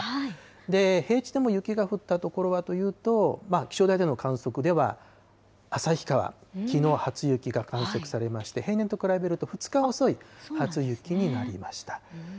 平地でも雪が降った所はというと、気象台での観測では旭川、きのう初雪が観測されまして、平年と比べると２日遅い初雪になりました。